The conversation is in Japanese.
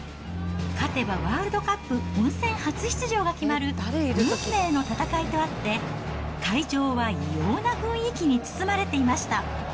勝てばワールドカップ本選初出場が決まる運命の戦いとあって、会場は異様な雰囲気に包まれていました。